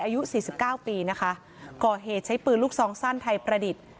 อายุสี่สิบเก้าปีนะคะก่อเหตุใช้ปืนลูกซองสั้นไทยประดิษฐ์